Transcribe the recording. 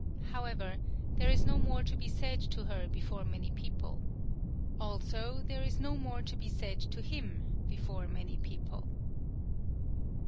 However, there is no more to be said to her before many people. Also, there is no more to be said to him, before many people.